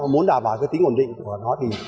muốn đảm bảo cái tính ổn định của nó